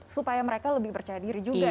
supaya mereka lebih percaya diri juga ya